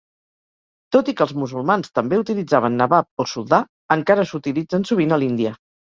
Tot i que els musulmans també utilitzaven nabab o soldà, encara s'utilitzen sovint a l’Índia.